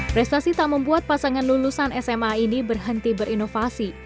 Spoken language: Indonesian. prestasi tak membuat pasangan lulusan sma ini berhenti berinovasi